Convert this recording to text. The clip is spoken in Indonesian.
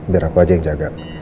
biar aku aja yang jaga